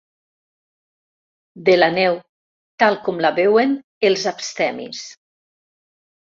De la neu tal com la veuen els abstemis.